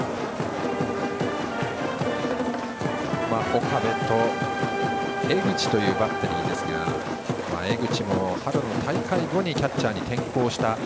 岡部と江口というバッテリーですが江口も春の大会後にキャッチャーに転向した。